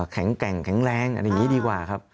แข็งแกร่งแข็งแรงอะไรอย่างนี้ดีกว่าครับ